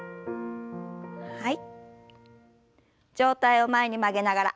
はい。